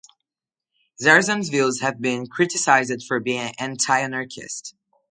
Zerzan's views have been criticized for being anti-anarchist.